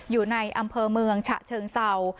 อยู่ในอำเภอเมืองฉะเชิงเศร้า